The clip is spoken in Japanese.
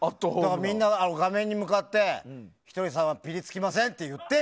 みんな画面に向かってひとりさんはぴりつきませんって言ってよ！